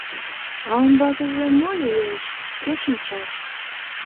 А умбакыже мо лиеш, кӧ шинча?..